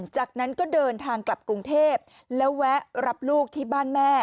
จากนั้นก็เดินทางกลับกรุงเทพแล้วแวะรับลูกที่บ้านแม่